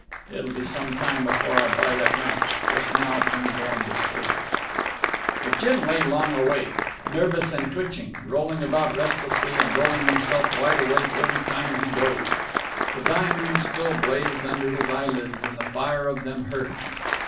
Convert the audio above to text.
It'll be some time before I buy that ranch. Just now I'm goin' to sleep." But Jim lay long awake, nervous and twitching, rolling about restlessly and rolling himself wide awake every time he dozed. The diamonds still blazed under his eyelids, and the fire of them hurt.